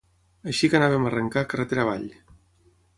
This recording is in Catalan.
Així que anàvem a arrencar carretera avall